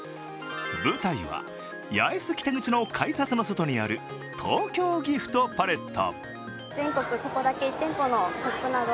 舞台は、八重洲北口の改札の外にある東京ギフトパレット。